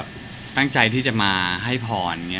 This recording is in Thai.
ก็ตั้งใจที่จะมาให้พร